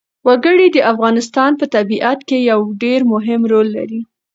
وګړي د افغانستان په طبیعت کې یو ډېر مهم رول لري.